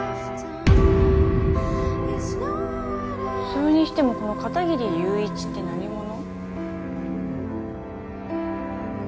それにしてもこの片切友一って何者？